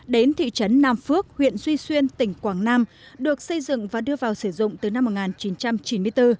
đến thị trấn nam phước huyện duy xuyên tỉnh quảng nam được xây dựng và đưa vào sử dụng từ năm một nghìn chín trăm chín mươi bốn